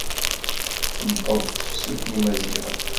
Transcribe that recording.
Tuweḍ-d tefsut n Yimaziɣen.